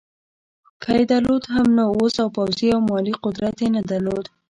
که یې درلود هم نو وس او پوځي او مالي قدرت یې نه درلود.